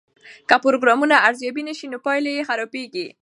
که پروګرامونه ارزیابي نسي نو پایلې یې خرابیږي.